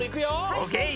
オーケー！